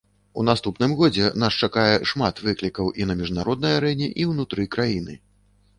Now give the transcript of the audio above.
У наступным годзе нас чакае шмат выклікаў і на міжнароднай арэне, і ўнутры краіны.